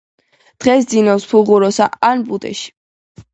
დღე სძინავთ ფუღუროებსა ან ბუდეებში.